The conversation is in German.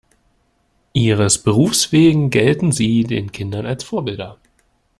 Ihres Berufs wegen gelten sie den Kindern als Vorbilder.